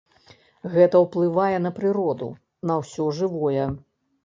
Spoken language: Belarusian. Гэта ўплывае на прыроду, на ўсё жывое.